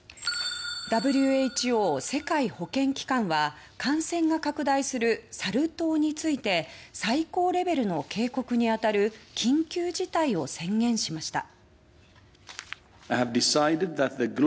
ＷＨＯ・世界保健機関は感染が拡大するサル痘について最高レベルの警告に当たる緊急事態を宣言しました。